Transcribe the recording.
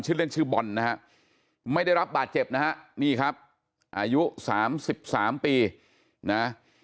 เล่นชื่อบอลนะฮะไม่ได้รับบาดเจ็บนะฮะนี่ครับอายุ๓๓ปีนะ